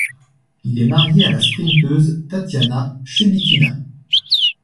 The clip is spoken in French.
Il est marié à la sprinteuse Tatyana Chebykina.